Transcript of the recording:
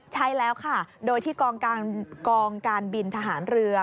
ใช่แล้วค่ะโดยที่กองการบินทหารเรือ